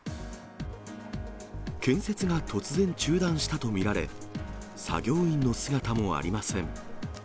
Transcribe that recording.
建設が突然中断したと見られ、作業員の姿もありません。